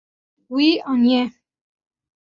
Wî aniye.